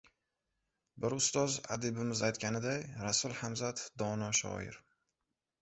Bir ustoz adibimiz aytganiday, Rasul Hamzatov dono shoir.